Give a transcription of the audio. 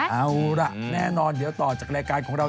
เอาล่ะแน่นอนเดี๋ยวต่อจากรายการของเรา